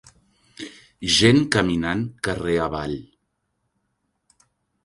Gent caminant carrer avall.